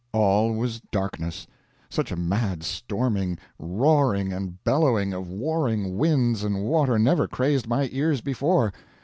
All was darkness. Such a mad storming, roaring, and bellowing of warring wind and water never crazed my ears before.